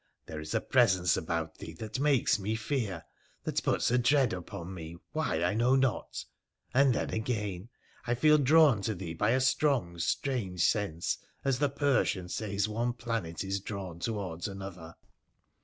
There is a presence about thee that makes me fear — that puts a dread upon me, why I know not. And then, again, I feel drawn to thee by a strong, strange sense, as the Persian says one planet is drawn towards another.'